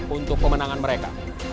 untuk pemenangan mereka